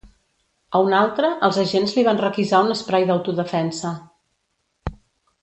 A un altre, els agents li van requisar un esprai d’autodefensa.